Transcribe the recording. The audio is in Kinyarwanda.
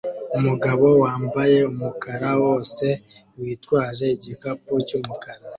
Umugabo wambaye umukara wose witwaje igikapu cyumukara